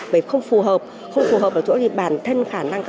vì không phù hợp không phù hợp ở chỗ thì bản thân khả năng các cháu